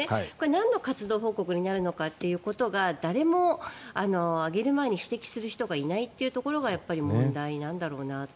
なんの活動報告になるのかということが誰も、上げる前に指摘する人がいないことが問題なんだろうなと。